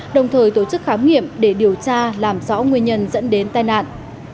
đồng thời tổ chức khám nghiệm để điều tra làm rõ nguyên nhân dẫn đến tai nạn